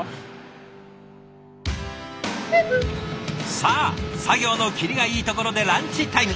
さあ作業の切りがいいところでランチタイム。